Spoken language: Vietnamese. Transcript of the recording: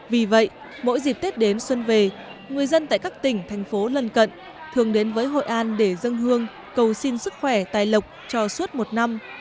vì vậy mỗi dịp tết đến xuân về người dân tại các tỉnh thành phố lần cận thường đến với hội an để dân hương cầu xin sức khỏe tài lộc cho suốt một năm